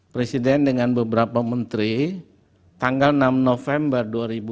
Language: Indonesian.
presiden dengan beberapa menteri tanggal enam november dua ribu dua puluh